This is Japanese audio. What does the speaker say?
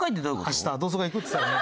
明日同窓会行くっつってたよね。